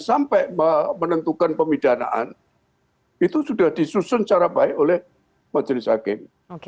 sampai menentukan pemidanaan itu sudah disusun secara baik oleh majelis hakim